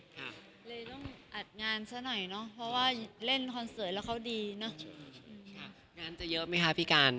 เลยต้องอัดงานสักหน่อยเพราะว่าเล่นคอนเสอร์แล้วเขาดีนะ